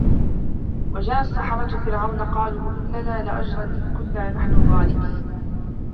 وجاء السحرة فرعون قالوا إن لنا لأجرا إن كنا نحن الغالبين